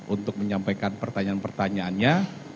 untuk menyampaikan pertanyaan pertanyaannya